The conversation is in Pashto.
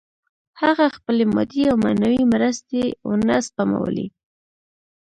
هغه خپلې مادي او معنوي مرستې ونه سپمولې